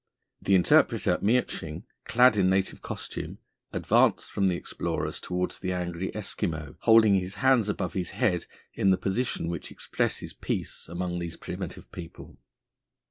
The interpreter Miertsching, clad in native costume, advanced from the explorers towards the angry Eskimo, holding his hands above his head in the position which expresses peace amongst these primitive people.